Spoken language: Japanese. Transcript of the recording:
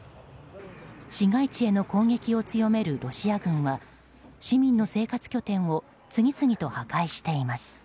市街地への攻撃を強めるロシア軍は市民の生活拠点を次々と破壊しています。